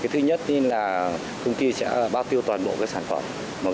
thứ nhất là công ty sẽ bao tiêu toàn bộ sản phẩm